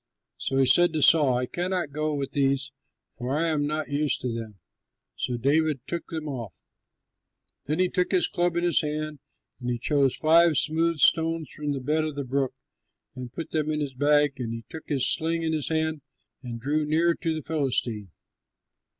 So he said to Saul, "I cannot go with these, for I am not used to them." So David took them off. Then he took his club in his hand, and he chose five smooth stones from the bed of the brook and put them in his bag, and he took his sling in his hand and drew near to the Philistine.